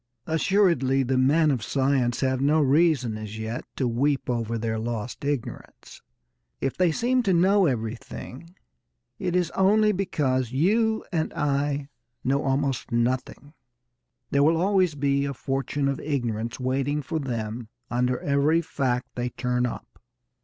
Assuredly the men of science have no reason as yet to weep over their lost ignorance. If they seem to know everything, it is only because you and I know almost nothing. There will always be a fortune of ignorance waiting for them under every fact they turn up.